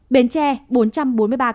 bến tre bốn trăm bốn mươi ba ca